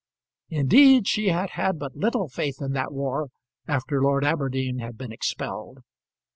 Indeed, she had had but little faith in that war after Lord Aberdeen had been expelled.